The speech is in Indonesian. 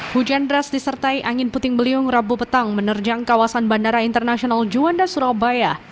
hujan deras disertai angin puting beliung rabu petang menerjang kawasan bandara internasional juanda surabaya